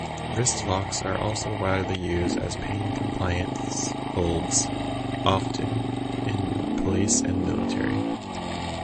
Wristlocks are also widely used as pain compliance holds, often in police and military.